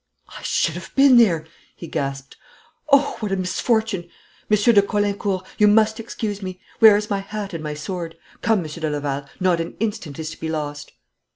'I should have been there!' he gasped. 'Oh, what a misfortune! Monsieur de Caulaincourt, you must excuse me! Where is my hat and my sword? Come, Monsieur de Laval, not an instant is to be lost!'